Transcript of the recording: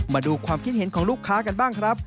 มาดูความคิดเห็นของลูกค้ากันบ้างครับ